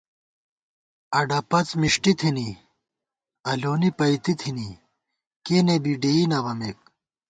اڈہ پڅ مِݭٹی تھِنی ، الونی پئیتی تھِنی ، کېنے بی ڈېئی نہ بَمېک